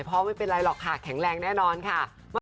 เพราะไม่เป็นไรหรอกค่ะแข็งแรงแน่นอนค่ะ